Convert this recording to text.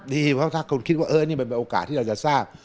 ดีถ้าคนคิดว่าเอยนี่เป็นเป็นโอกาสที่เราจะสร้าง